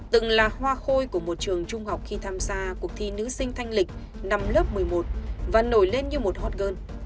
từng là hoa khôi của một trường trung học khi tham gia cuộc thi nữ sinh thanh lịch năm lớp một mươi một và nổi lên như một hot girl